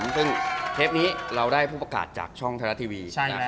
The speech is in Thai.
ซึ่งเทปนี้เราได้ผู้ประกาศจากช่องไทยรัฐทีวี